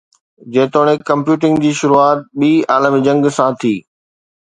جيتوڻيڪ ڪمپيوٽنگ جي شروعات ٻي عالمي جنگ سان ٿي